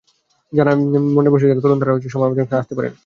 জানায়, মনের বয়সে যারা তরুণ তারা সবাই আমাদের সঙ্গে আসতে পারেন।